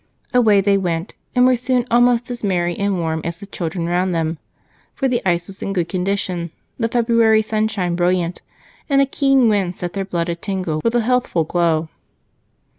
Away they went, and were soon almost as merry and warm as the children around them, for the ice was in good condition, the February sunshine brilliant, and the keen wind set their blood a tingle with a healthful glow.